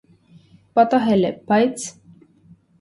- Պատահել է, բայց…